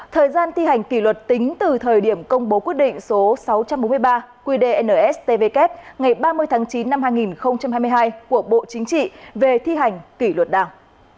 thời gian thi hành kỷ luật tính từ thời điểm công bố quyết định số sáu trăm bốn mươi ba qdstvk ngày ba mươi tháng chín năm hai nghìn hai mươi hai của bộ chính trị về thi hành kỷ luật đảng